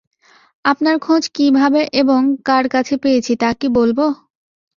আপনার খোঁজ কীভাবে এবং কার কাছে পেয়েছি তা কি বলব?